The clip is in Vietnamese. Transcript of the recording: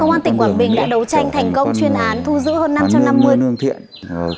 công an tỉnh quảng bình đã đấu tranh thành công chuyên án thu giữ hơn năm trăm năm mươi